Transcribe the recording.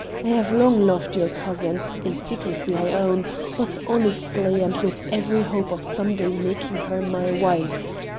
I have long loved your cousin in secrecy, I own, but honestly and with every hope of some day making her my wife.